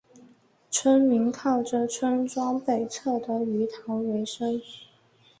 村民靠着村庄北侧的鱼塘维生。